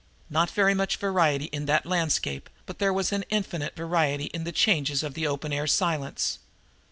Not very much variety in that landscape, but there was an infinite variety in the changes of the open air silence.